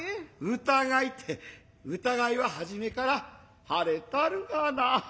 疑いて疑いは始めから晴れたあるがな。